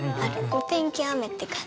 お天気雨って感じ。